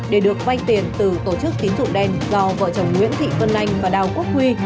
để được vay tiền từ tổ chức tín dụng đen do vợ chồng nguyễn thị xuân anh và đào quốc huy